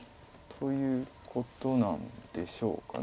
ということなんでしょうか。